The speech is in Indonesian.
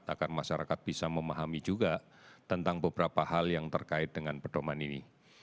agar masyarakat bisa memahami juga tentang beberapa hal yang terkait dengan pedoman ini